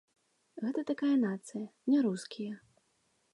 Гэта такая нацыя, не рускія.